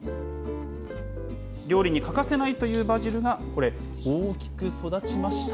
料理に欠かせないというバジルが、これ、大きく育ちました。